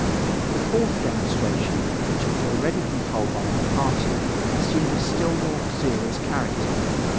The fourth demonstration, which was already controlled by our party, assumed a still more serious character.